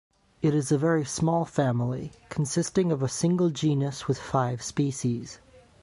It is a very small family, consisting of a single genus with five species.